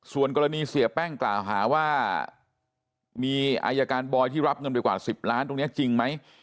ส่วนกรณีเสียแป้งกล่าวหาว่ามีอายการบอยที่รับเงินไปกว่า๑๐ล้านตรงนี้จริงไหม